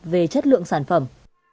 về chất lượng sản phẩm